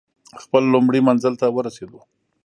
خپل لومړي منزل ته ورسېدو.